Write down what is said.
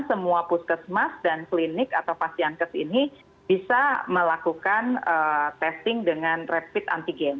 semua puskesmas dan klinik atau pasien kes ini bisa melakukan testing dengan rapid antigen